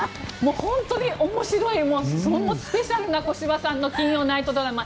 本当に面白いスペシャルな小芝さんの金曜ナイトドラマ